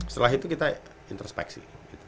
setelah itu kita introspeksi